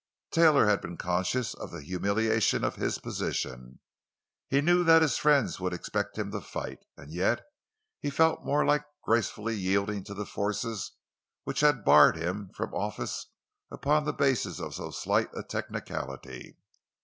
Taylor had been conscious of the humiliation of his position. He knew that his friends would expect him to fight. And yet he felt more like gracefully yielding to the forces which had barred him from office upon the basis of so slight a technicality.